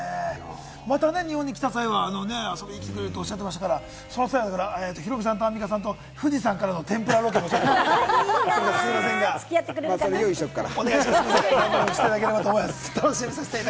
またね、日本に来た際は遊びに来てくれるっておっしゃってましたから、その際はヒロミさんとアンミカさんと富士山からの展望ロケとか。付き合ってくれるかな？